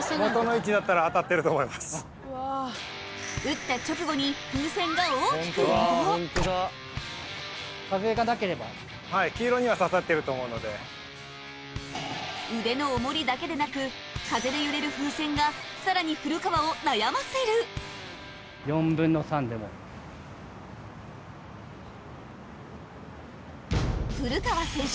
うった直後に腕の重りだけでなく風で揺れる風船がさらに古川を悩ませる古川選手